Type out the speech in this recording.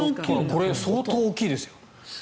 これ、相当大きいですよ。